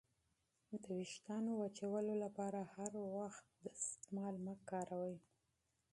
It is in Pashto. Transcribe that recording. د ویښتو وچولو لپاره هر وخت دستمال مه کاروئ.